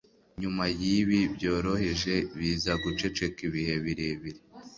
nyuma yibi byoroheje biza guceceka ibihe birebire